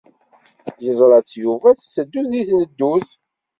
Yeẓra-tt Yuba tetteddu deg tneddut.